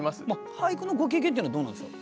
俳句のご経験っていうのはどうなんでしょう？